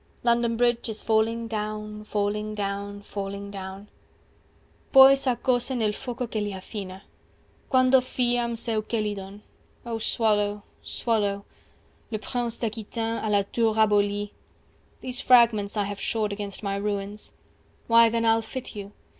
425 London Bridge is falling down falling down falling down Poi s'ascose nel foco che gli affina Quando fiam ceu chelidon—O swallow swallow Le Prince d'Aquitaine à la tour abolie These fragments I have shored against my ruins 430 Why then Ile fit you.